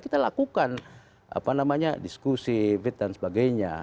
kita lakukan diskusi fit dan sebagainya